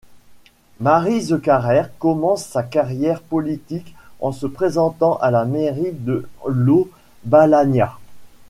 Maryse Carrère commence sa carrière politique en se présentant à la mairie de Lau-Balagnas.